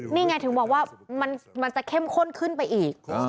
นี่ไงถึงบอกว่ามันจะเข้มข้นขึ้นไปอีก